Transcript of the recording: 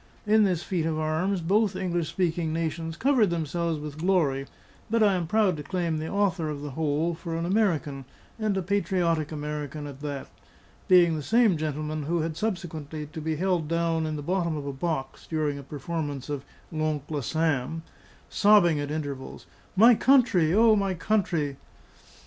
In this feat of arms, both English speaking nations covered themselves with glory; but I am proud to claim the author of the whole for an American, and a patriotic American at that, being the same gentleman who had subsequently to be held down in the bottom of a box during a performance of L'Oncle Sam, sobbing at intervals, "My country! O my country!"